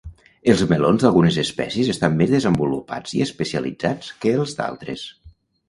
Els melons d'algunes espècies estan més desenvolupats i especialitzats que els d'altres.